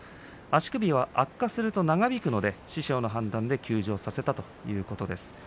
足首は悪化すると長引くので師匠の判断で休場させたということです。